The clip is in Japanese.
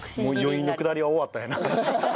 余韻のくだりは終わったんやな。